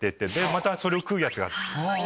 またそれを食うやつが。